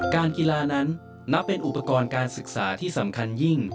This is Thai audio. การกีฬานั้นนับเป็นอุปกรณ์การศึกษาที่สำคัญยิ่ง